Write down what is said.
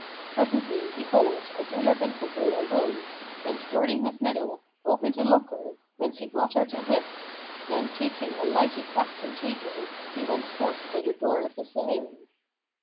Presently, behold, Abdullah bin Fazil arose, and girding his middle, opened a locker,[FN#479] whence he brought out a whip; then, taking a lighted waxen taper, he went forth by the door of the saloon.